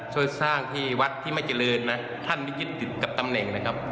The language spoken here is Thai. ช่วยสร้างที่วัดที่ไม่เจริญนะท่านไม่ยึดติดกับตำแหน่งเลยครับ